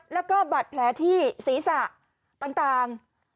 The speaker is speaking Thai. แล้วก็บาดแผลที่ศีรษะต่าง